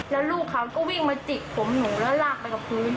แล้วลูกเขาก็วิ่งมาจิกผมหนูแล้วลากไปกับพื้น